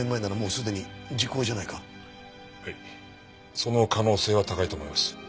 その可能性は高いと思います。